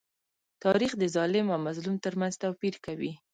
تاریخ د ظالم او مظلوم تر منځ توپير کوي.